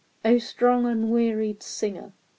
O strong, unwearied singer !